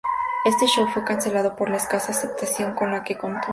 Este show fue cancelado por la escasa aceptación con la que contó.